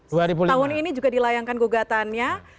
tahun ini juga dilayangkan gugatannya